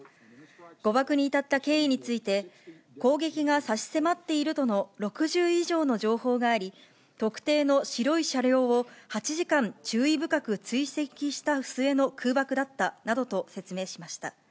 誤爆に至った経緯について、攻撃が差し迫っているとの６０以上の情報があり、特定の白い車両を８時間注意深く追跡した末の空爆だったなどと説明しました。